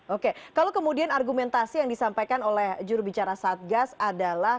oke kalau kemudian argumentasi yang disampaikan oleh jurubicara satgas adalah